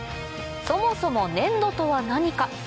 そもそも粘土とは何か？